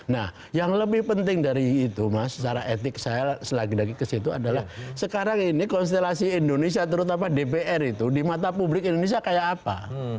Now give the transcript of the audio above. nah yang lebih penting dari itu mas secara etik saya selagi lagi ke situ adalah sekarang ini konstelasi indonesia terutama dpr itu di mata publik indonesia kayak apa